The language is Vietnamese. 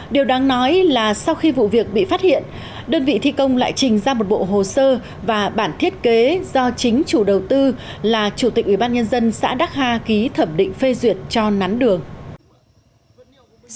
điều đáng nói là sau khi vụ việc bị phát hiện đơn vị thi công lại trình ra một bộ hồ sơ và bản thiết kế do chính chủ đầu tư là chủ tịch ủy ban nhân dân xã đắc ha ký thẩm định phê duyệt cho nắn đường